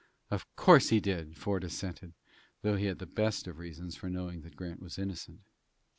"Of course he did," Ford assented, though he had the best of reasons for knowing that Grant was innocent.